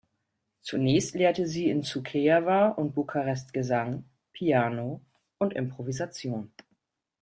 Zunächst lehrte sie in Suceava und Bukarest Gesang, Piano und Improvisation.